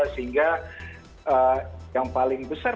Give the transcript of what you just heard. sehingga yang paling besar